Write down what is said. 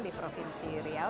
di provinsi riau